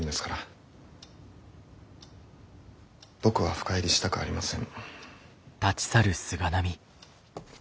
僕は深入りしたくありません。